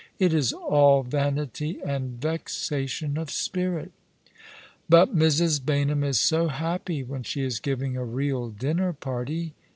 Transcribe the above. It is all vanity and vexation of spirit." " But Mrs. Baynham is so happy when she is giving a real dinner party.